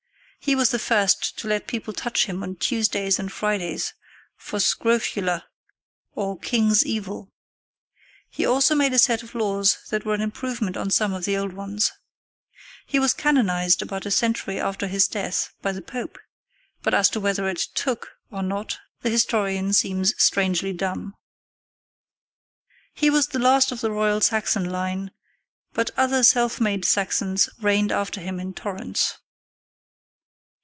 He was the first to let people touch him on Tuesdays and Fridays for scrofula, or "king's evil." He also made a set of laws that were an improvement on some of the old ones. He was canonized about a century after his death by the Pope, but as to whether it "took" or not the historian seems strangely dumb. [Illustration: WILLIAM OF NORMANDY LEARNS THAT HAROLD IS ELECTED KING.] He was the last of the royal Saxon line; but other self made Saxons reigned after him in torrents.